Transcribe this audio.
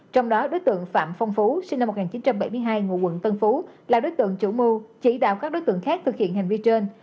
trong đó đối tượng phạm phong phú sinh năm một nghìn chín trăm bảy mươi hai ngụ quận tân phú là đối tượng chủ mưu chỉ đạo các đối tượng khác thực hiện hành vi trên